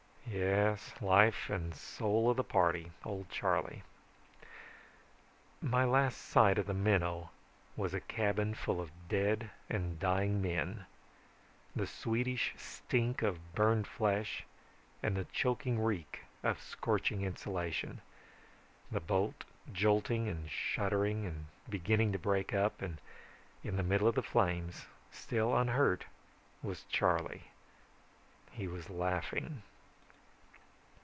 Yes, life and soul of the party, old Charley ... "My last sight of the Minnow was a cabin full of dead and dying men, the sweetish stink of burned flesh and the choking reek of scorching insulation, the boat jolting and shuddering and beginning to break up, and in the middle of the flames, still unhurt, was Charley. He was laughing